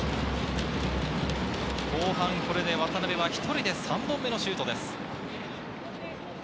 後半これで渡辺は１人で３本目のシュートです。